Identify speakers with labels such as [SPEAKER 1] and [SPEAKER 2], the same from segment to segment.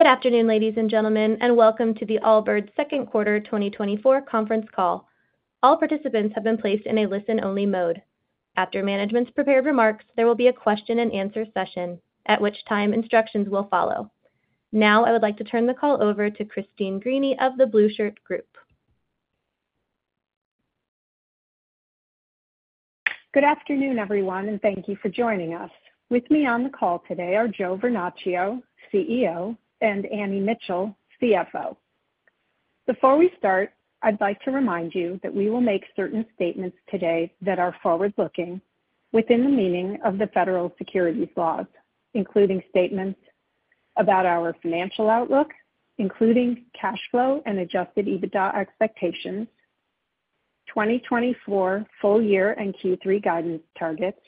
[SPEAKER 1] Good afternoon, ladies and gentlemen, and welcome to the Allbirds Second Quarter 2024 Conference Call. All participants have been placed in a listen-only mode. After management's prepared remarks, there will be a question-and-answer session, at which time instructions will follow. Now, I would like to turn the call over to Christine Greany of The Blueshirt Group.
[SPEAKER 2] Good afternoon, everyone, and thank you for joining us. With me on the call today are Joe Vernachio, CEO, and Annie Mitchell, CFO. Before we start, I'd like to remind you that we will make certain statements today that are forward-looking within the meaning of the federal securities laws, including statements about our financial outlook, including cash flow and Adjusted EBITDA expectations, 2024 full year and Q3 guidance targets,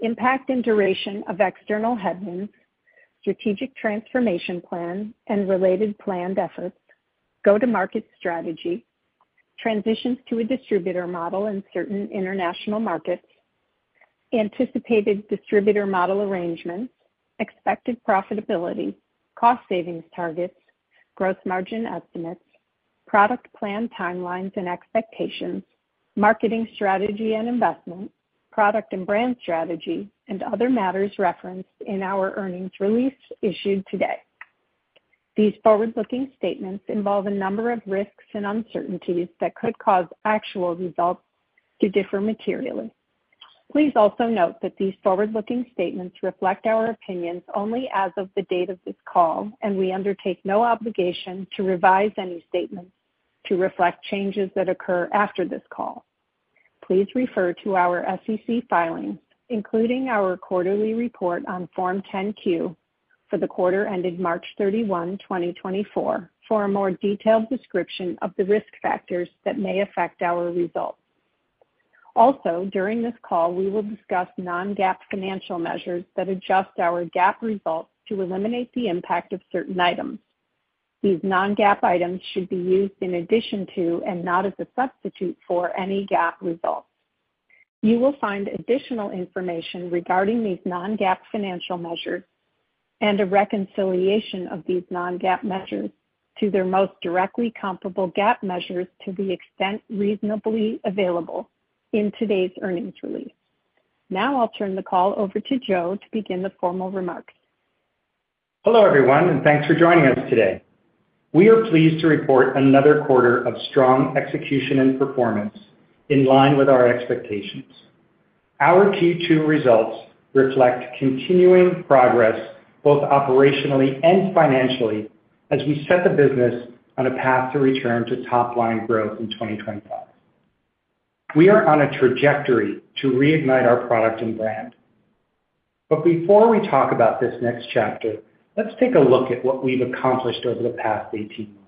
[SPEAKER 2] impact and duration of external headwinds, strategic transformation plan and related planned efforts, go-to-market strategy, transitions to a distributor model in certain international markets, anticipated distributor model arrangements, expected profitability, cost savings targets, gross margin estimates, product plan timelines and expectations, marketing strategy and investment, product and brand strategy, and other matters referenced in our earnings release issued today. These forward-looking statements involve a number of risks and uncertainties that could cause actual results to differ materially. Please also note that these forward-looking statements reflect our opinions only as of the date of this call, and we undertake no obligation to revise any statements to reflect changes that occur after this call. Please refer to our SEC filings, including our quarterly report on Form 10-Q for the quarter ending March 31, 2024, for a more detailed description of the risk factors that may affect our results. Also, during this call, we will discuss non-GAAP financial measures that adjust our GAAP results to eliminate the impact of certain items. These non-GAAP items should be used in addition to and not as a substitute for any GAAP results. You will find additional information regarding these non-GAAP financial measures and a reconciliation of these non-GAAP measures to their most directly comparable GAAP measures to the extent reasonably available in today's earnings release. Now I'll turn the call over to Joe to begin the formal remarks.
[SPEAKER 3] Hello, everyone, and thanks for joining us today. We are pleased to report another quarter of strong execution and performance in line with our expectations. Our Q2 results reflect continuing progress, both operationally and financially, as we set the business on a path to return to top-line growth in 2025. We are on a trajectory to reignite our product and brand. But before we talk about this next chapter, let's take a look at what we've accomplished over the past 18 months.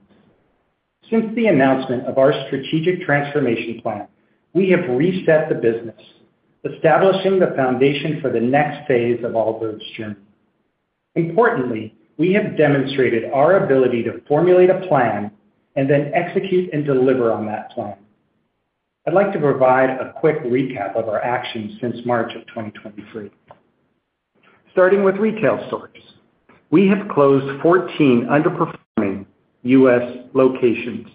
[SPEAKER 3] Since the announcement of our strategic transformation plan, we have reset the business, establishing the foundation for the next phase of Allbirds' journey. Importantly, we have demonstrated our ability to formulate a plan and then execute and deliver on that plan. I'd like to provide a quick recap of our actions since March 2023. Starting with retail stores, we have closed 14 underperforming U.S. locations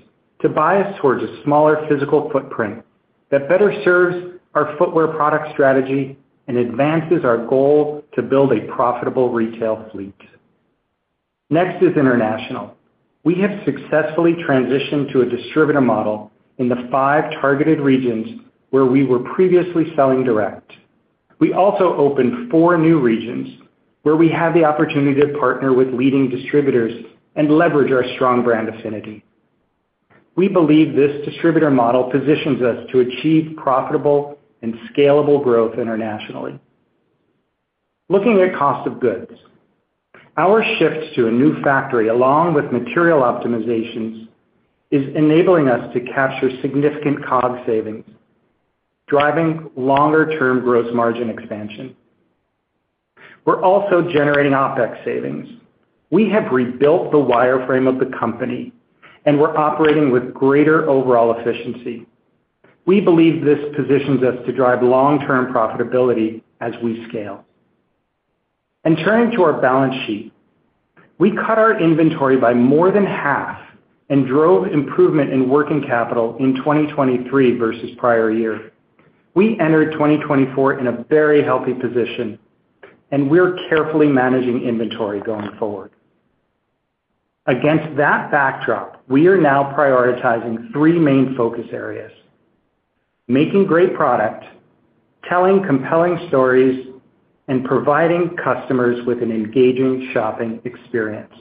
[SPEAKER 3] to bias towards a smaller physical footprint that better serves our footwear product strategy and advances our goal to build a profitable retail fleet. Next is international. We have successfully transitioned to a distributor model in the 5 targeted regions where we were previously selling direct. We also opened 4 new regions where we have the opportunity to partner with leading distributors and leverage our strong brand affinity. We believe this distributor model positions us to achieve profitable and scalable growth internationally. Looking at cost of goods, our shift to a new factory, along with material optimizations, is enabling us to capture significant COGS savings, driving longer-term gross margin expansion. We're also generating OpEx savings. We have rebuilt the wireframe of the company, and we're operating with greater overall efficiency. We believe this positions us to drive long-term profitability as we scale. Turning to our balance sheet, we cut our inventory by more than half and drove improvement in working capital in 2023 versus prior year. We entered 2024 in a very healthy position, and we're carefully managing inventory going forward. Against that backdrop, we are now prioritizing three main focus areas: making great product, telling compelling stories, and providing customers with an engaging shopping experience.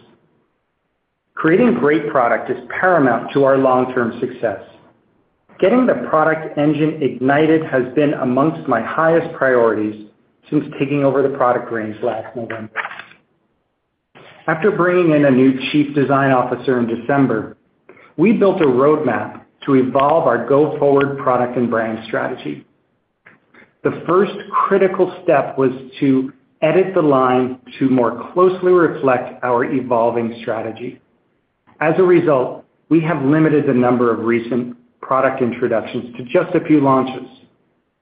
[SPEAKER 3] Creating great product is paramount to our long-term success. Getting the product engine ignited has been amongst my highest priorities since taking over the product reins last November. After bringing in a new chief design officer in December, we built a roadmap to evolve our go-forward product and brand strategy. The first critical step was to edit the line to more closely reflect our evolving strategy. As a result, we have limited the number of recent product introductions to just a few launches,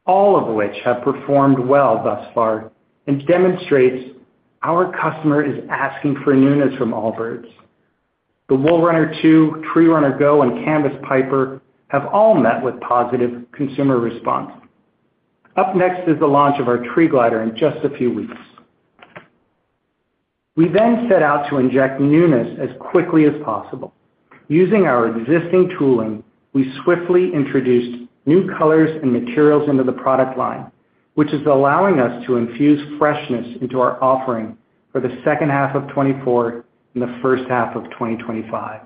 [SPEAKER 3] all of which have performed well thus far and demonstrates our customer is asking for newness from Allbirds. The Wool Runner 2, Tree Runner Go, and Canvas Piper have all met with positive consumer response. Up next is the launch of our Tree Glider in just a few weeks. We then set out to inject newness as quickly as possible. Using our existing tooling, we swiftly introduced new colors and materials into the product line, which is allowing us to infuse freshness into our offering for the second half of 2024 and the first half of 2025.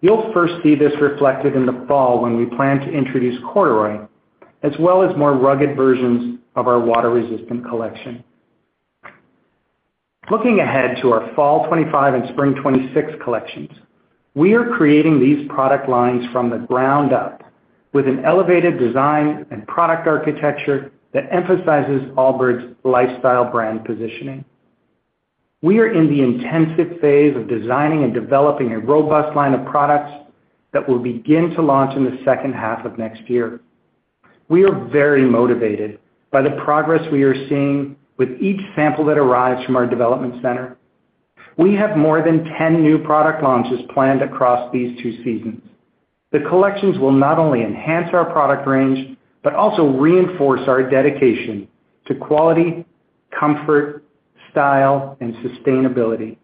[SPEAKER 3] You'll first see this reflected in the fall, when we plan to introduce corduroy, as well as more rugged versions of our water-resistant collection. Looking ahead to our fall 2025 and spring 2026 collections, we are creating these product lines from the ground up with an elevated design and product architecture that emphasizes Allbirds' lifestyle brand positioning. We are in the intensive phase of designing and developing a robust line of products that will begin to launch in the second half of next year. We are very motivated by the progress we are seeing with each sample that arrives from our development center. We have more than 10 new product launches planned across these two seasons. The collections will not only enhance our product range, but also reinforce our dedication to quality, comfort, style, and sustainability.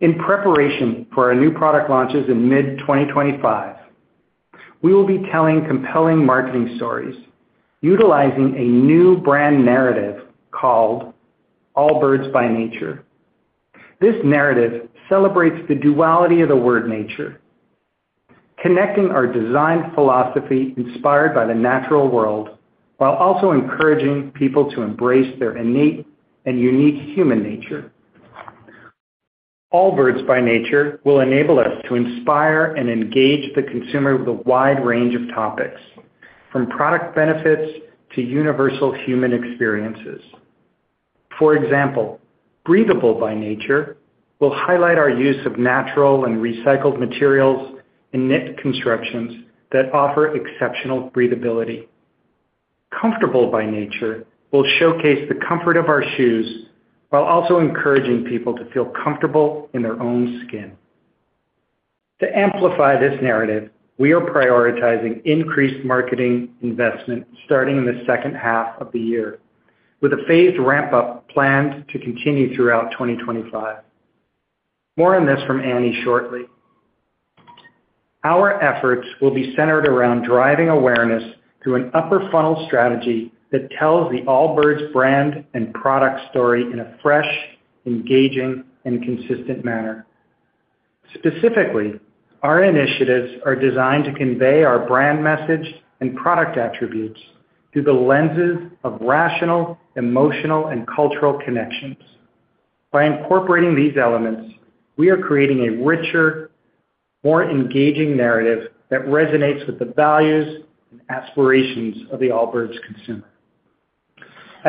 [SPEAKER 3] In preparation for our new product launches in mid-2025, we will be telling compelling marketing stories utilizing a new brand narrative called Allbirds by Nature. This narrative celebrates the duality of the word nature, connecting our design philosophy inspired by the natural world, while also encouraging people to embrace their innate and unique human nature. Allbirds by Nature will enable us to inspire and engage the consumer with a wide range of topics, from product benefits to universal human experiences. For example, Breathable by Nature will highlight our use of natural and recycled materials in knit constructions that offer exceptional breathability. Comfortable by Nature will showcase the comfort of our shoes while also encouraging people to feel comfortable in their own skin. To amplify this narrative, we are prioritizing increased marketing investment starting in the second half of the year, with a phased ramp-up planned to continue throughout 2025. More on this from Annie shortly. Our efforts will be centered around driving awareness through an upper funnel strategy that tells the Allbirds brand and product story in a fresh, engaging, and consistent manner. Specifically, our initiatives are designed to convey our brand message and product attributes through the lenses of rational, emotional, and cultural connections. By incorporating these elements, we are creating a richer, more engaging narrative that resonates with the values and aspirations of the Allbirds consumer.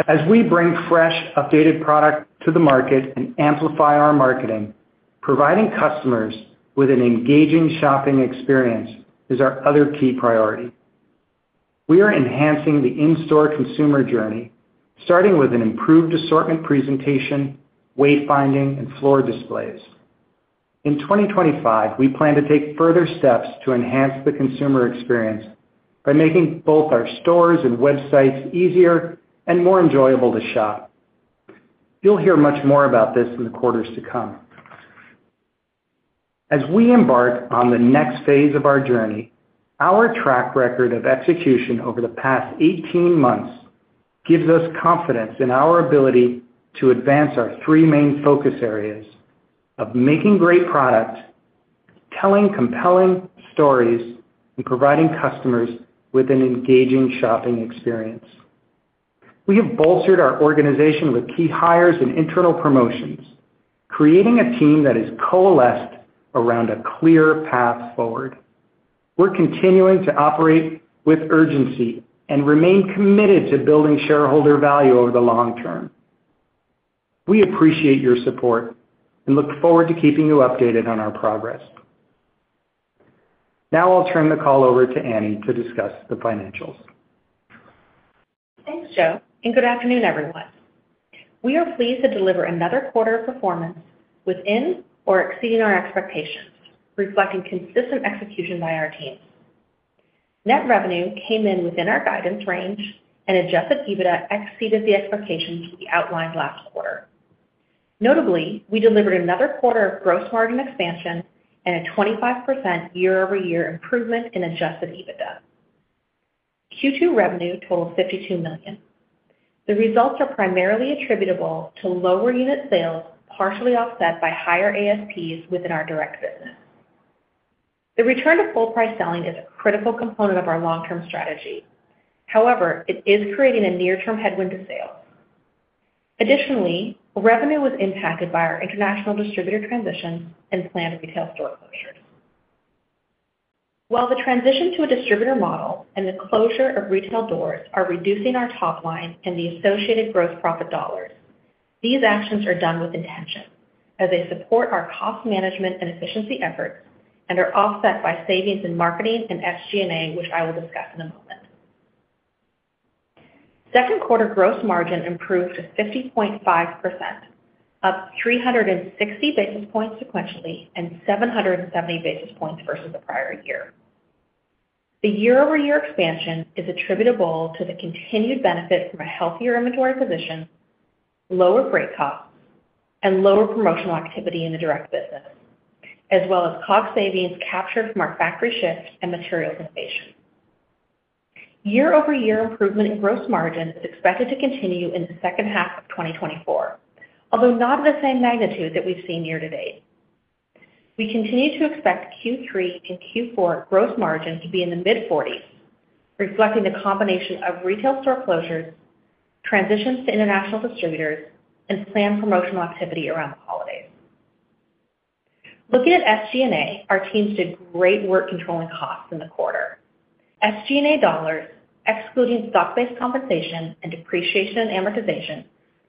[SPEAKER 3] As we bring fresh, updated product to the market and amplify our marketing, providing customers with an engaging shopping experience is our other key priority. We are enhancing the in-store consumer journey, starting with an improved assortment presentation, wayfinding, and floor displays. In 2025, we plan to take further steps to enhance the consumer experience by making both our stores and websites easier and more enjoyable to shop. You'll hear much more about this in the quarters to come. As we embark on the next phase of our journey, our track record of execution over the past 18 months gives us confidence in our ability to advance our three main focus areas of making great products, telling compelling stories, and providing customers with an engaging shopping experience. We have bolstered our organization with key hires and internal promotions, creating a team that is coalesced around a clear path forward. We're continuing to operate with urgency and remain committed to building shareholder value over the long term. We appreciate your support and look forward to keeping you updated on our progress. Now I'll turn the call over to Annie to discuss the financials.
[SPEAKER 4] Thanks, Joe, and good afternoon, everyone. We are pleased to deliver another quarter of performance within or exceeding our expectations, reflecting consistent execution by our teams. Net revenue came in within our guidance range, and adjusted EBITDA exceeded the expectations we outlined last quarter. Notably, we delivered another quarter of gross margin expansion and a 25% year-over-year improvement in adjusted EBITDA. Q2 revenue totaled $52 million. The results are primarily attributable to lower unit sales, partially offset by higher ASPs within our direct business. The return to full-price selling is a critical component of our long-term strategy. However, it is creating a near-term headwind to sales. Additionally, revenue was impacted by our international distributor transitions and planned retail store closures. While the transition to a distributor model and the closure of retail doors are reducing our top line and the associated gross profit dollars-... These actions are done with intention, as they support our cost management and efficiency efforts and are offset by savings in marketing and SG&A, which I will discuss in a moment. Second quarter gross margin improved to 50.5%, up 360 basis points sequentially and 770 basis points versus the prior year. The year-over-year expansion is attributable to the continued benefit from a healthier inventory position, lower freight costs, and lower promotional activity in the direct business, as well as cost savings captured from our factory shifts and material inflation. Year-over-year improvement in gross margin is expected to continue in the second half of 2024, although not at the same magnitude that we've seen year-to-date. We continue to expect Q3 and Q4 gross margin to be in the mid-40s%, reflecting the combination of retail store closures, transitions to international distributors, and planned promotional activity around the holidays. Looking at SG&A, our teams did great work controlling costs in the quarter. SG&A dollars, excluding stock-based compensation and depreciation and amortization,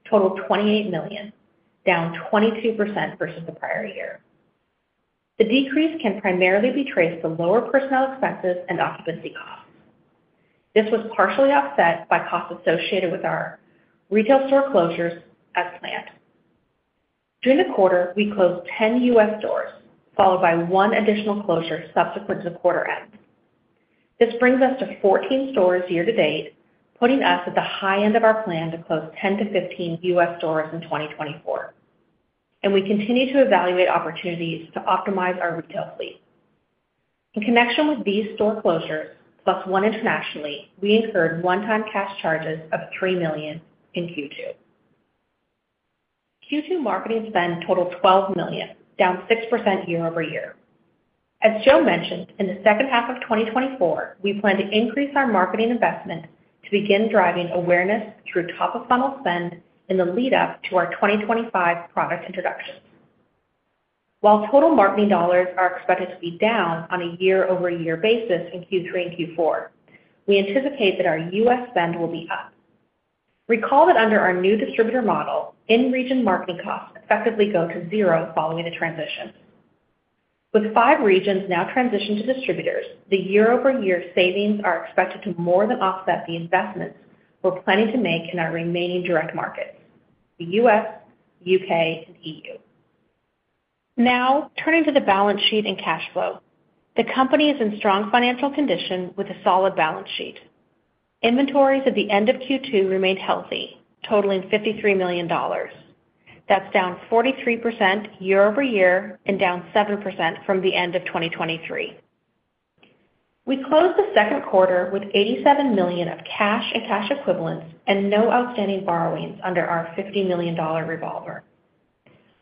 [SPEAKER 4] totaled $28 million, down 22% versus the prior year. The decrease can primarily be traced to lower personnel expenses and occupancy costs. This was partially offset by costs associated with our retail store closures as planned. During the quarter, we closed 10 U.S. stores, followed by 1 additional closure subsequent to quarter end. This brings us to 14 stores year-to-date, putting us at the high end of our plan to close 10-15 U.S. stores in 2024, and we continue to evaluate opportunities to optimize our retail fleet. In connection with these store closures, plus one internationally, we incurred one-time cash charges of $3 million in Q2. Q2 marketing spend totaled $12 million, down 6% year-over-year. As Joe mentioned, in the second half of 2024, we plan to increase our marketing investment to begin driving awareness through top-of-funnel spend in the lead up to our 2025 product introductions. While total marketing dollars are expected to be down on a year-over-year basis in Q3 and Q4, we anticipate that our U.S. spend will be up. Recall that under our new distributor model, in-region marketing costs effectively go to zero following the transition. With five regions now transitioned to distributors, the year-over-year savings are expected to more than offset the investments we're planning to make in our remaining direct markets, the U.S., U.K., and E.U. Now, turning to the balance sheet and cash flow. The company is in strong financial condition with a solid balance sheet. Inventories at the end of Q2 remained healthy, totaling $53 million. That's down 43% year-over-year and down 7% from the end of 2023. We closed the second quarter with $87 million of cash and cash equivalents and no outstanding borrowings under our $50 million revolver.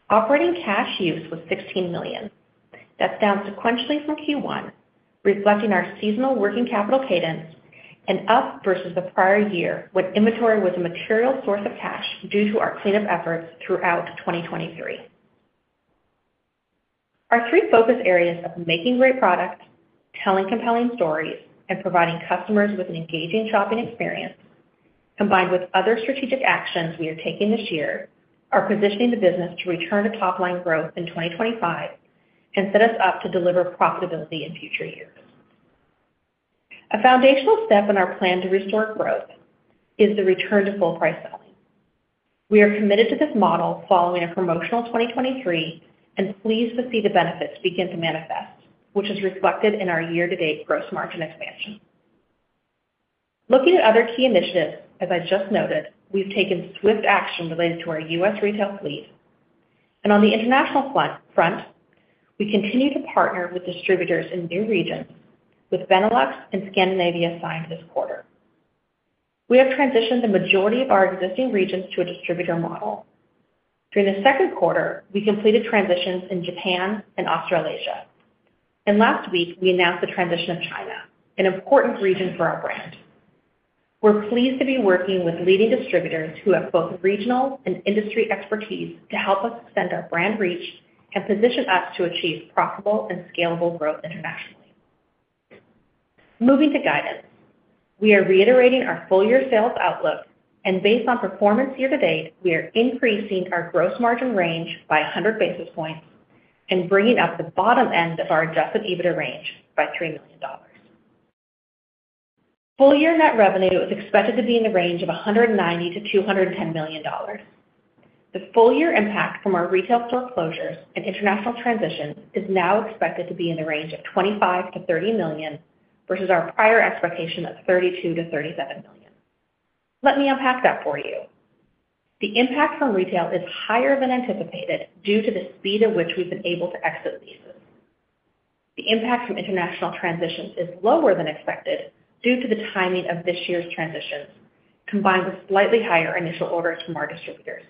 [SPEAKER 4] Operating cash use was $16 million. That's down sequentially from Q1, reflecting our seasonal working capital cadence and up versus the prior year, when inventory was a material source of cash due to our cleanup efforts throughout 2023. Our three focus areas of making great products, telling compelling stories, and providing customers with an engaging shopping experience, combined with other strategic actions we are taking this year, are positioning the business to return to top-line growth in 2025 and set us up to deliver profitability in future years. A foundational step in our plan to restore growth is the return to full price selling. We are committed to this model following a promotional 2023 and pleased to see the benefits begin to manifest, which is reflected in our year-to-date gross margin expansion. Looking at other key initiatives, as I just noted, we've taken swift action related to our U.S. retail fleet, and on the international front, we continue to partner with distributors in new regions, with Benelux and Scandinavia signed this quarter. We have transitioned the majority of our existing regions to a distributor model. During the second quarter, we completed transitions in Japan and Australasia, and last week, we announced the transition of China, an important region for our brand. We're pleased to be working with leading distributors who have both regional and industry expertise to help us extend our brand reach and position us to achieve profitable and scalable growth internationally. Moving to guidance, we are reiterating our full-year sales outlook, and based on performance year-to-date, we are increasing our gross margin range by 100 basis points and bringing up the bottom end of our adjusted EBITDA range by $3 million. Full-year net revenue is expected to be in the range of $190 million-$210 million. The full-year impact from our retail store closures and international transitions is now expected to be in the range of $25 million-$30 million, versus our prior expectation of $32 million-$37 million. Let me unpack that for you. The impact from retail is higher than anticipated due to the speed at which we've been able to exit leases. The impact from international transitions is lower than expected due to the timing of this year's transitions, combined with slightly higher initial orders from our distributors.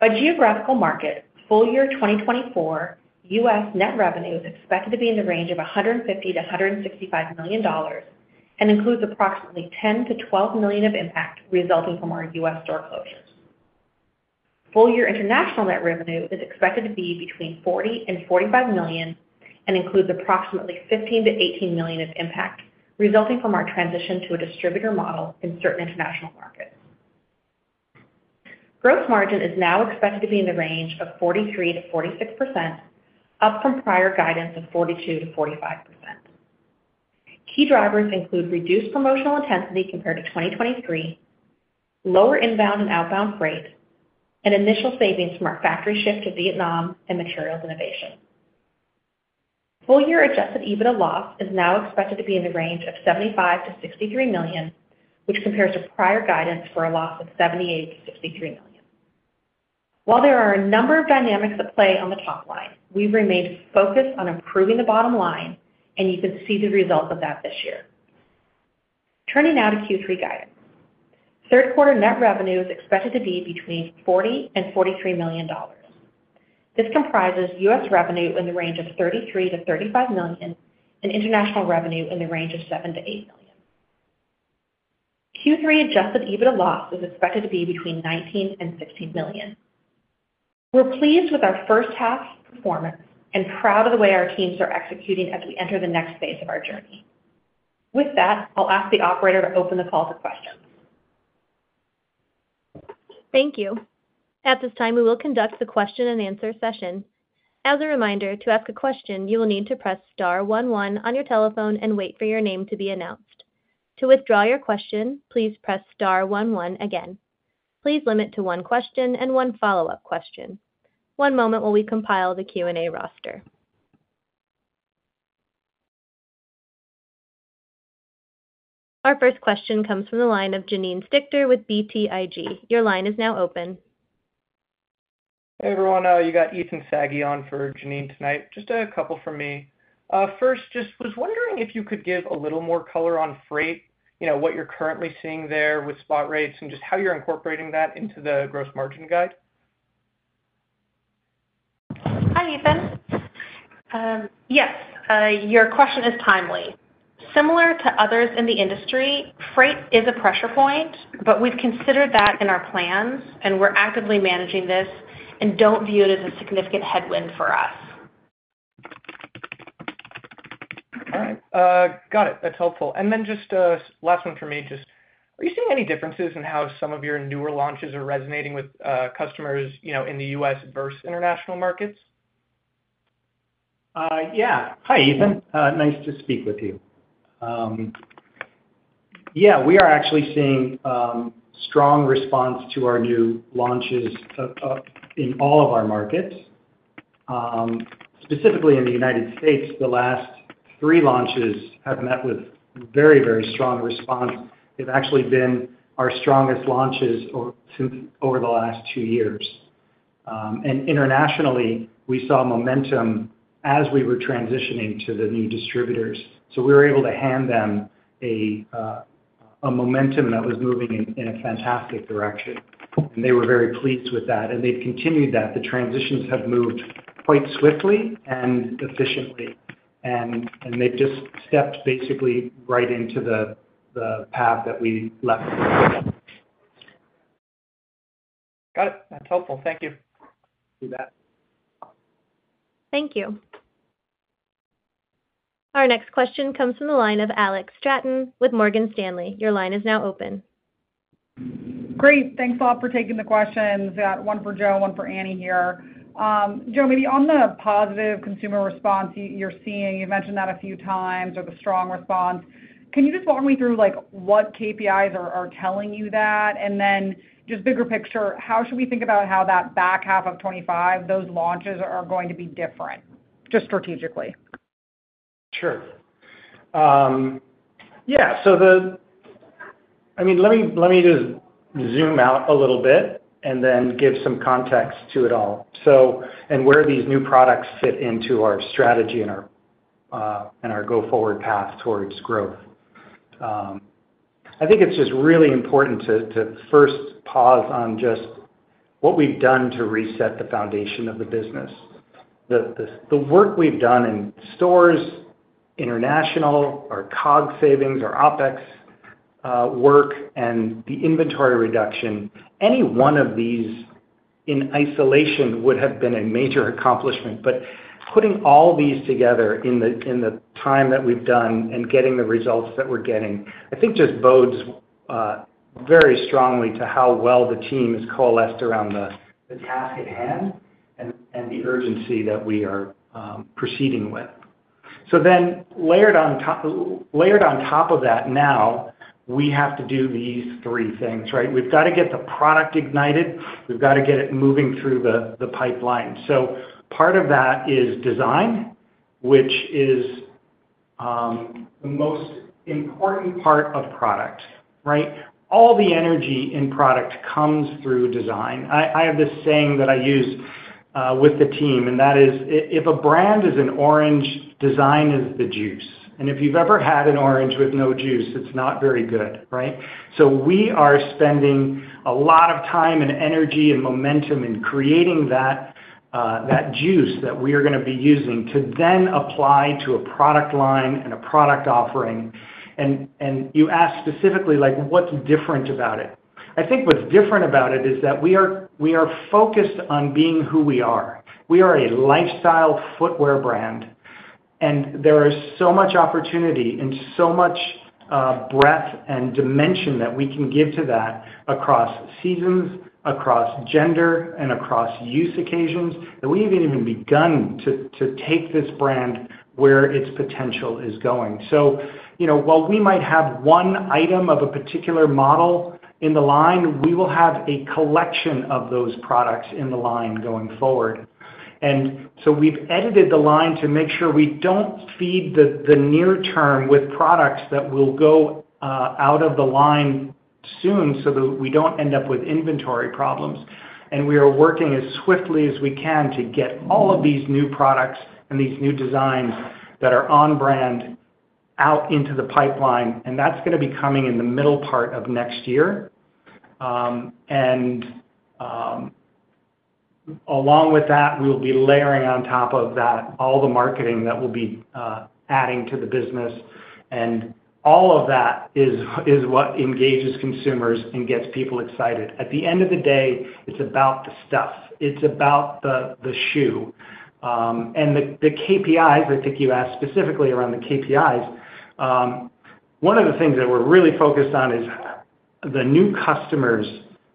[SPEAKER 4] By geographical market, full year 2024, U.S. net revenue is expected to be in the range of $150-$165 million and includes approximately $10-$12 million of impact resulting from our U.S. store closures. Full year international net revenue is expected to be between $40 and $45 million, and includes approximately $15-$18 million of impact, resulting from our transition to a distributor model in certain international markets. Gross margin is now expected to be in the range of 43%-46%, up from prior guidance of 42%-45%. Key drivers include reduced promotional intensity compared to 2023, lower inbound and outbound freight, and initial savings from our factory shift to Vietnam and materials innovation. Full year adjusted EBITDA loss is now expected to be in the range of $75 million-$63 million, which compares to prior guidance for a loss of $78 million-$63 million. While there are a number of dynamics at play on the top line, we've remained focused on improving the bottom line, and you can see the results of that this year. Turning now to Q3 guidance. Third quarter net revenue is expected to be between $40 million-$43 million. This comprises U.S. revenue in the range of $33 million-$35 million, and international revenue in the range of $7 million-$8 million. Q3 adjusted EBITDA loss is expected to be between $19 million-$16 million. We're pleased with our first half performance and proud of the way our teams are executing as we enter the next phase of our journey. With that, I'll ask the operator to open the call to questions.
[SPEAKER 1] Thank you. At this time, we will conduct the question-and-answer session. As a reminder, to ask a question, you will need to press star one one on your telephone and wait for your name to be announced. To withdraw your question, please press star one one again. Please limit to one question and one follow-up question. One moment while we compile the Q&A roster. Our first question comes from the line of Janine Stichter with BTIG. Your line is now open.
[SPEAKER 5] Hey, everyone, you got Ethan Saghi on for Janine tonight. Just a couple from me. First, just was wondering if you could give a little more color on freight, you know, what you're currently seeing there with spot rates and just how you're incorporating that into the gross margin guide?
[SPEAKER 4] Hi, Ethan. Yes, your question is timely. Similar to others in the industry, freight is a pressure point, but we've considered that in our plans, and we're actively managing this and don't view it as a significant headwind for us.
[SPEAKER 5] All right, got it. That's helpful. And then just, last one for me, just are you seeing any differences in how some of your newer launches are resonating with customers, you know, in the U.S. versus international markets?
[SPEAKER 3] Yeah. Hi, Ethan. Nice to speak with you. Yeah, we are actually seeing strong response to our new launches in all of our markets. Specifically in the United States, the last three launches have met with very, very strong response. They've actually been our strongest launches over the last two years. And internationally, we saw momentum as we were transitioning to the new distributors, so we were able to hand them a momentum that was moving in a fantastic direction, and they were very pleased with that, and they've continued that. The transitions have moved quite swiftly and efficiently, and they've just stepped basically right into the path that we left.
[SPEAKER 5] Got it. That's helpful. Thank you.
[SPEAKER 3] You bet.
[SPEAKER 1] Thank you. Our next question comes from the line of Alex Straton with Morgan Stanley. Your line is now open.
[SPEAKER 6] Great. Thanks a lot for taking the questions. Got one for Joe, one for Annie here. Joe, maybe on the positive consumer response you're seeing, you've mentioned that a few times or the strong response. Can you just walk me through, like, what KPIs are telling you that? And then, just bigger picture, how should we think about how that back half of 2025, those launches are going to be different, just strategically?
[SPEAKER 3] Sure. Yeah, so I mean, let me just zoom out a little bit and then give some context to it all, so and where these new products fit into our strategy and our and our go-forward path towards growth. I think it's just really important to first pause on just what we've done to reset the foundation of the business. The work we've done in stores, international, our COGS savings, our OpEx work, and the inventory reduction, any one of these in isolation would have been a major accomplishment. But putting all these together in the time that we've done and getting the results that we're getting, I think just bodes very strongly to how well the team has coalesced around the task at hand and the urgency that we are proceeding with. So then layered on top, layered on top of that now, we have to do these three things, right? We've got to get the product ignited, we've got to get it moving through the pipeline. So part of that is design, which is the most important part of product, right? All the energy in product comes through design. I have this saying that I use with the team, and that is, "If a brand is an orange, design is the juice." And if you've ever had an orange with no juice, it's not very good, right? So we are spending a lot of time and energy and momentum in creating that juice that we are gonna be using to then apply to a product line and a product offering. And you asked specifically, like, what's different about it? I think what's different about it is that we are, we are focused on being who we are. We are a lifestyle footwear brand... And there is so much opportunity and so much breadth and dimension that we can give to that across seasons, across gender, and across use occasions, and we haven't even begun to take this brand where its potential is going. So, you know, while we might have one item of a particular model in the line, we will have a collection of those products in the line going forward. And so we've edited the line to make sure we don't feed the near term with products that will go out of the line soon, so that we don't end up with inventory problems. We are working as swiftly as we can to get all of these new products and these new designs that are on brand out into the pipeline, and that's gonna be coming in the middle part of next year. Along with that, we'll be layering on top of that all the marketing that we'll be adding to the business, and all of that is what engages consumers and gets people excited. At the end of the day, it's about the stuff, it's about the shoe. And the KPIs, I think you asked specifically around the KPIs. One of the things that we're really focused on is the new customers,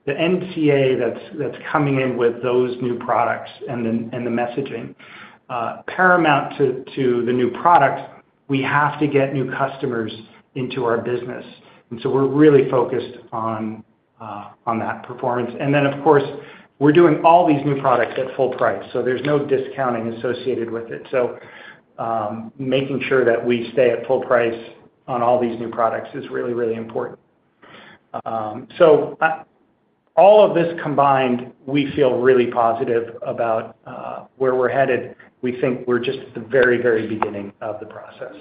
[SPEAKER 3] the NCA that's coming in with those new products and the messaging. Paramount to the new products, we have to get new customers into our business, and so we're really focused on that performance. And then, of course, we're doing all these new products at full price, so there's no discounting associated with it. So, making sure that we stay at full price on all these new products is really, really important. So all of this combined, we feel really positive about where we're headed. We think we're just at the very, very beginning of the process.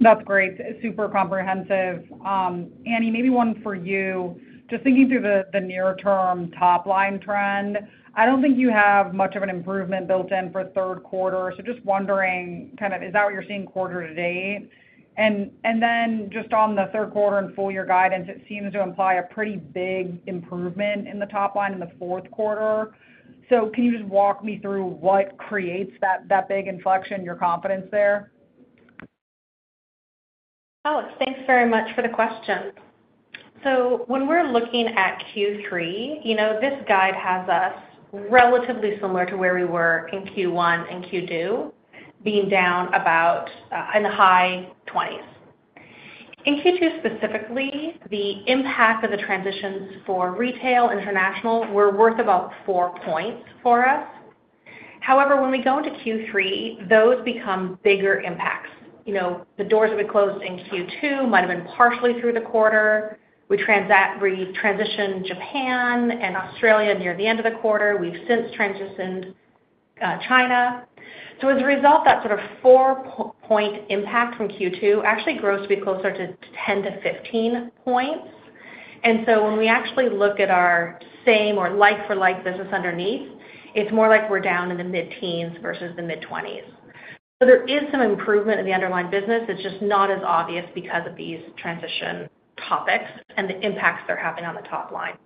[SPEAKER 6] That's great. Super comprehensive. Annie, maybe one for you. Just thinking through the near term top-line trend, I don't think you have much of an improvement built in for third quarter. So just wondering, kind of, is that what you're seeing quarter to date? And then just on the third quarter and full year guidance, it seems to imply a pretty big improvement in the top-line in the fourth quarter. So can you just walk me through what creates that big inflection, your confidence there?
[SPEAKER 4] Oh, thanks very much for the question. So when we're looking at Q3, you know, this guide has us relatively similar to where we were in Q1 and Q2, being down about in the high 20s. In Q2 specifically, the impact of the transitions for retail, international, were worth about 4 points for us. However, when we go into Q3, those become bigger impacts. You know, the doors that we closed in Q2 might have been partially through the quarter. We transitioned Japan and Australia near the end of the quarter. We've since transitioned China. So as a result, that sort of 4-point impact from Q2 actually grows to be closer to 10-15 points. And so when we actually look at our same or like for like business underneath, it's more like we're down in the mid-teens versus the mid-20s. So there is some improvement in the underlying business. It's just not as obvious because of these transition topics and the impacts they're having on the top line.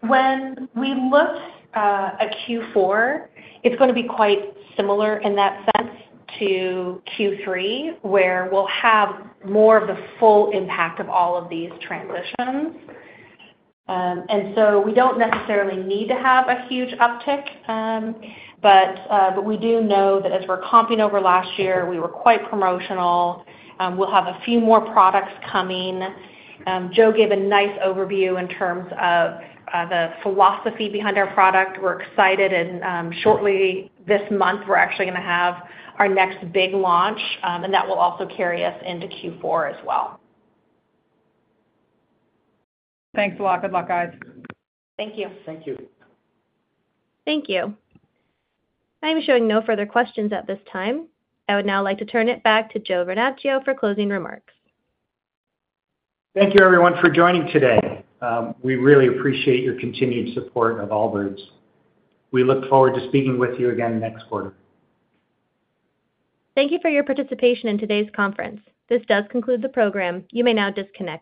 [SPEAKER 4] When we look at Q4, it's gonna be quite similar in that sense to Q3, where we'll have more of the full impact of all of these transitions. And so we don't necessarily need to have a huge uptick, but we do know that as we're comping over last year, we were quite promotional. We'll have a few more products coming. Joe gave a nice overview in terms of the philosophy behind our product. We're excited, and shortly, this month, we're actually gonna have our next big launch, and that will also carry us into Q4 as well.
[SPEAKER 6] Thanks a lot. Good luck, guys.
[SPEAKER 4] Thank you.
[SPEAKER 3] Thank you.
[SPEAKER 1] Thank you. I am showing no further questions at this time. I would now like to turn it back to Joe Vernachio for closing remarks.
[SPEAKER 3] Thank you, everyone, for joining today. We really appreciate your continued support of Allbirds. We look forward to speaking with you again next quarter.
[SPEAKER 1] Thank you for your participation in today's conference. This does conclude the program. You may now disconnect.